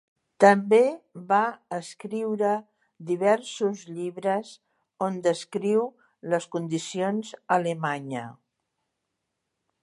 També va escriure diversos llibres on descriu les condicions a Alemanya.